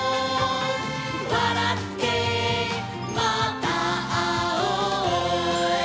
「わらってまたあおう」